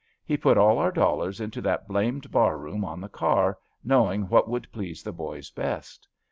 He put all our dollars into that blamed barroom on the car, know ing what would please the boys best.